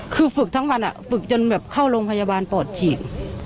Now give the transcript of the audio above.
คือฝึกทั้งวันฝึกจนแบบเข้าโรงพยาบาลปอดฉีด